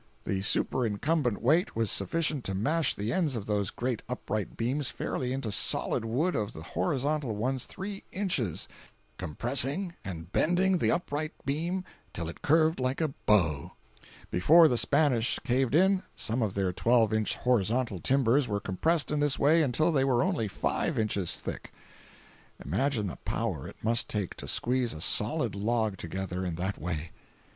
The superincumbent weight was sufficient to mash the ends of those great upright beams fairly into the solid wood of the horizontal ones three inches, compressing and bending the upright beam till it curved like a bow. Before the Spanish caved in, some of their twelve inch horizontal timbers were compressed in this way until they were only five inches thick! Imagine the power it must take to squeeze a solid log together in that way.